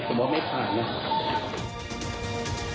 ผมว่าไม่ผ่านนะ